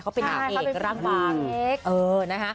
เขาเป็นอาเหกร่างบางเออนะฮะ